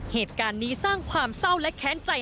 เหตุการณ์นี้สร้างความเศร้าและแค้นใจ